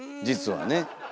実はね。